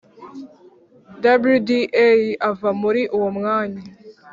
Wda ava muri uwo mwanya